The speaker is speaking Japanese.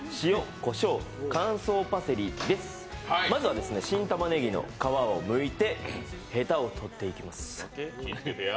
まずは新玉ねぎの皮をむいてへたを取っていきます。